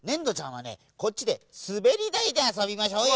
こっちですべりだいであそびましょうよ。